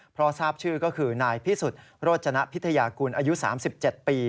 เพราะทราบชื่อก็คือนายพิสุทธิ์โรจนะพิทยากุลอายุ๓๗ปี